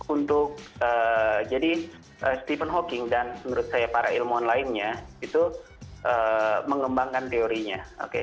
untuk jadi stephen hawking dan menurut saya para ilmuwan lainnya itu mengembangkan teorinya